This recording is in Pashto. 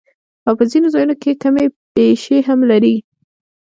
او پۀ ځنې ځايونو کښې کمی بېشی هم لري